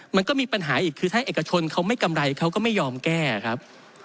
มันก็มีปัญหาอีกคือถ้าเอกชนเขาไม่กำไรเขาก็ไม่ยอมแก้ครับ